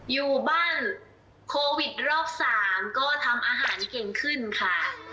อยู่บ้านโควิดรอบ๓ก็ทำอาหารเก่งขึ้นค่ะ